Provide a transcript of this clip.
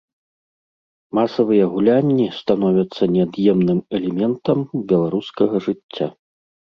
Масавыя гулянні становяцца неад'емным элементам беларускага жыцця.